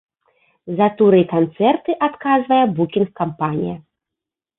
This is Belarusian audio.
За туры і канцэрты адказвае букінг-кампанія.